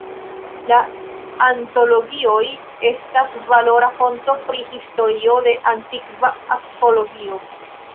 La antologioj estas valora fonto pri historio de antikva astrologio.